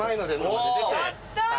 やったー！